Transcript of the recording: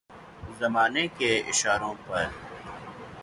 زمانے کے اشاروں پر